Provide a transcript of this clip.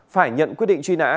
phải nhận quyết định truy nã